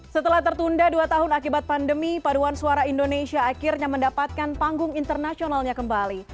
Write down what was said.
setelah tertunda dua tahun akibat pandemi paduan suara indonesia akhirnya mendapatkan panggung internasionalnya kembali